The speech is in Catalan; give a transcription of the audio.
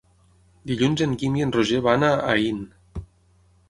Dilluns en Guim i en Roger van a Aín.